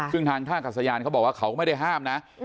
ซึ่งทางท่ากัศยานเขาบอกว่าเขาก็ไม่ได้ห้ามนะ